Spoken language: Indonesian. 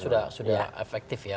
saya kira sudah efektif ya